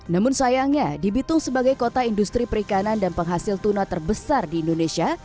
namun sayangnya di bitung sebagai kota industri perikanan dan penghasil tuna terbesar di indonesia